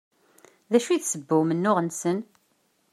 D acu i d ssebba n umennuɣ-nsen?